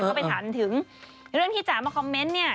ก็ไปถามถึงเรื่องที่จ๋ามาคอมเมนต์เนี่ย